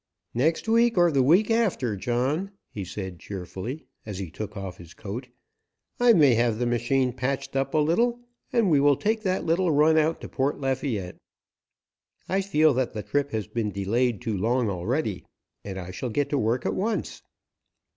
"Next week, or the week after, John," he said cheerfully, as he took off his coat, "I may have the machine patched up a little, and we will take that little run out to Port Lafayette. I feel that the trip has been delayed too long already, and I shall get to work at once."